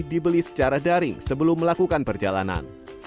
dibeli secara daring sebelum melakukan perjalanan